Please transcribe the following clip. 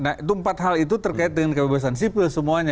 nah itu empat hal itu terkait dengan kebebasan sipil semuanya